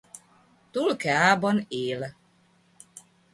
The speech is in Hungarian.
Tulceában él.